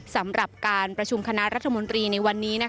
สำหรับการประชุมคณะรัฐมนตรีในวันนี้